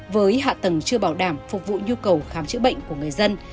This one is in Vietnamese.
với hạ tầng chưa bảo đảm phục vụ nhu cầu khám chữa bệnh của người dân